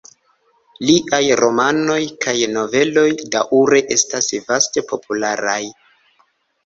Liaj romanoj kaj noveloj daŭre estas vaste popularaj.